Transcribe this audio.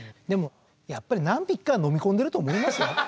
でもやっぱり何匹かは飲み込んでると思いますよ。